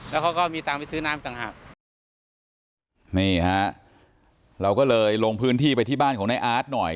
แล้วเขาก็มีตังค์ไปซื้อน้ำต่างหากนี่ฮะเราก็เลยลงพื้นที่ไปที่บ้านของนายอาร์ตหน่อย